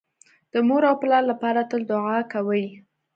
د مور او پلار لپاره تل دوعا کوئ